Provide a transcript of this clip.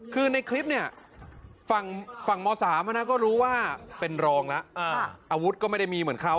คือในคลิปเนี่ยฝั่งม๓ก็รู้ว่าเป็นรองแล้วอาวุธก็ไม่ได้มีเหมือนเขา